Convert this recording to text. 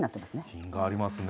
品がありますね。